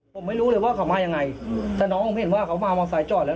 ผมไม่รู้เลยว่าเขามายังไงแต่น้องผมเห็นว่าเขามามอไซค์จอดแล้ว